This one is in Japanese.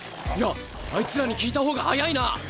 いやあいつらに聞いた方が早いな。